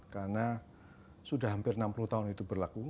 karena sudah hampir enam puluh tahun itu berlaku